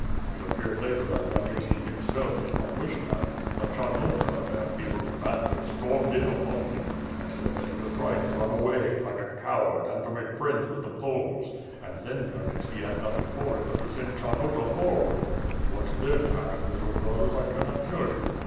It appeared later that Klimyelnitski himself did not wish that; but Charnota, their field commander, stormed in upon him and said that he was trying to run away, like a coward and to make friends with the Poles; and then Khmyelnitski had nothing for it but to send Charnota for ward. What then happened, little brothers, 1 cannot tell you.